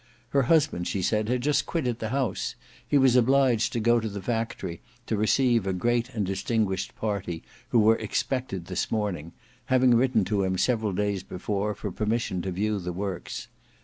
Her husband she said had just quitted the house; he was obliged to go to the factory to receive a great and distinguished party who were expected this morning, having written to him several days before for permission to view the works.